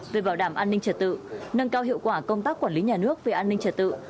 về bảo đảm an ninh trật tự nâng cao hiệu quả công tác quản lý nhà nước về an ninh trật tự